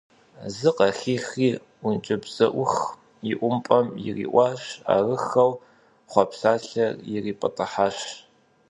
Зы къахихри ӀункӀыбзэӀух иӀупӀэм ириӀуащ, арыххэу… хъуэпсалэр ирипӀытӀыхьащ.